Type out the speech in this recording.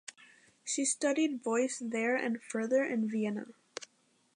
She studied voice there and further in Vienna.